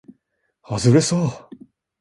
はずれそう